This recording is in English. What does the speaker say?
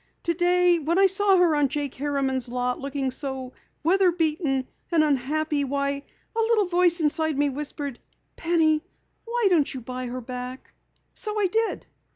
Today when I saw her on Jake Harriman's lot looking so weather beaten and unhappy why, a little voice inside me whispered: 'Penny, why don't you buy her back?' So I did."